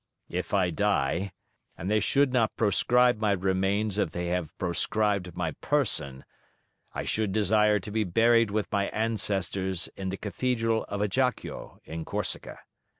If I die, and they should not proscribe my remains as they have proscribed my person, I should desire to be buried with my ancestors in the cathedral of Ajaccio, in Corsica.